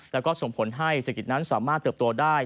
แล้วก็ส่งผลให้เศรษฐกิจนั้นสามารถเติบโตได้